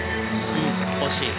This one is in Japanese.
うん惜しい。